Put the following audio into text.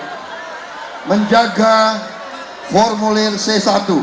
untuk melakukan hal hal sebagai berikut